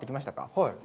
はい。